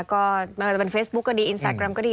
ก็ไม่ว่าจะเป็นเฟซบุ๊กก็ดีอินสตาแกรมก็ดี